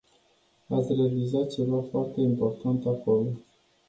Ați realizat ceva foarte important acolo.